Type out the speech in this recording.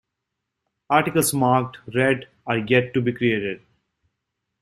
Articles marked red are yet to be created.